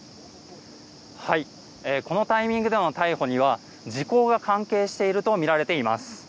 このタイミングでの逮捕には時効が関係しているとみられています。